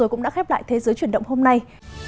cũng đã khép lại thế giới chuyển động hôm nay